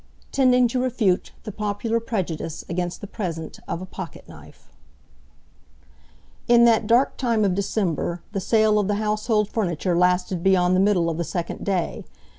Tending to Refute the Popular Prejudice against the Present of a Pocket Knife In that dark time of December, the sale of the household furniture lasted beyond the middle of the second day.